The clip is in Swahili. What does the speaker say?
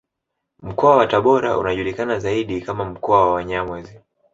Mkoa wa Tabora unajulikana zaidi kama mkoa wa Wanyamwezi